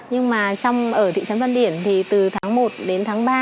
nhưng mà ở thị trấn văn điển thì từ tháng một đến tháng ba